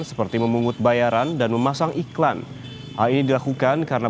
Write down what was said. melanggar ketentuan sebagaimana yang telah ditatakan oleh mnc